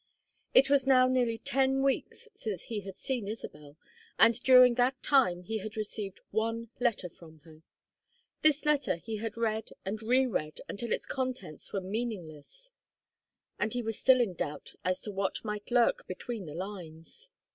It was now nearly ten weeks since he had seen Isabel, and during that time he had received one letter from her. This letter he had read and reread until its contents were meaningless; and he was still in doubt as to what might lurk between the lines.